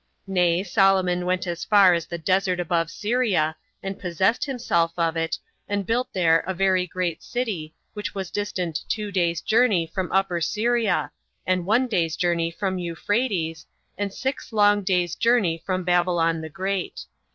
Nay, Solomon went as far as the desert above Syria, and possessed himself of it, and built there a very great city, which was distant two days' journey from Upper Syria, and one day's journey from Euphrates, and six long days' journey from Babylon the Great.